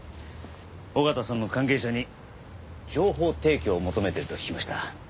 緒方さんの関係者に情報提供を求めていると聞きました。